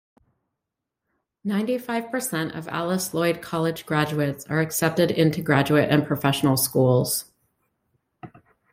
Ninety-five percent of Alice Lloyd College graduates are accepted into graduate and professional schools.